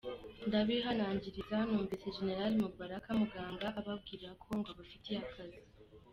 Ndabihanangiriza numvise generali Mubaraka Muganga ababwirako ngo abafitiye akazi!